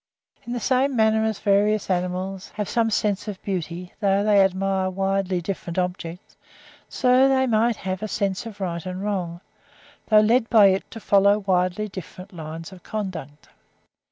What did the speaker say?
In the same manner as various animals have some sense of beauty, though they admire widely different objects, so they might have a sense of right and wrong, though led by it to follow widely different lines of conduct.